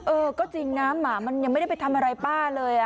เออก็จริงนะหมามันยังไม่ได้ไปทำอะไรป้าเลย